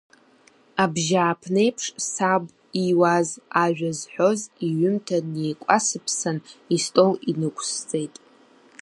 Абжьааԥны еиԥш саб иуаз ажәа зҳәоз иҩымҭа неикәасыԥсан истол инықәсҵеит.